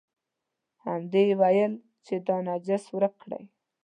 همدې یې ویل چې دا نجس ورک کړئ.